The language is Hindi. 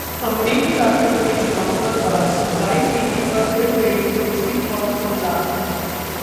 अमेरिकी राष्ट्रपति चुनाव पर बहस: लाइव टीवी पर भिड़ गईं तुलसी और कमला!